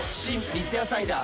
三ツ矢サイダー』